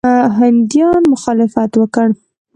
هندیانو مخالفت وکړ.